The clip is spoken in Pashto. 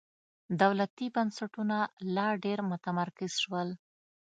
دولتي بنسټونه لا ډېر متمرکز شول.